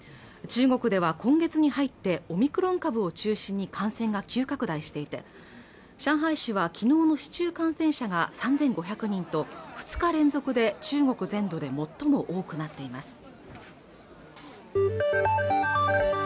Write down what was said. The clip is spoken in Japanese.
中国では今月に入ってオミクロン株を中心に感染が急拡大していて上海市はきのうの市中感染者が３５００人と２日連続で中国全土で最も多くなっています